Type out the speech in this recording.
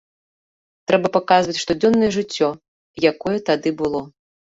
Трэба паказваць штодзённае жыццё, якое тады было.